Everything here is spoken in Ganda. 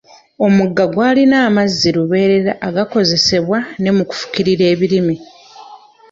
Omugga gwalina amazzi lubeerera agaakozesebwa ne mu kufukirira ebirime.